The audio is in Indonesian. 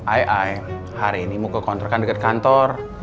ay ay hari ini mau ke kontrokan dekat kantor